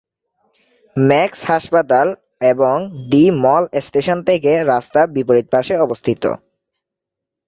Max হাসপাতাল এবং D mall station থেকে রাস্তা বিপরীত পাশে অবস্থিত।